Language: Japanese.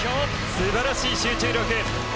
すばらしい集中力。